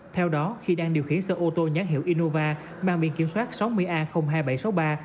theo đó khi đang điều khiển sở ô tô nhán hiệu innova bàn biển kiểm soát sáu mươi a hai nghìn bảy trăm sáu mươi ba